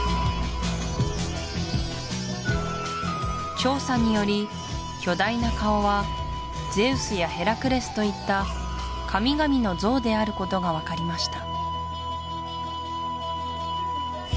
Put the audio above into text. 調査により巨大な顔はゼウスやヘラクレスといった神々の像であることが分かりました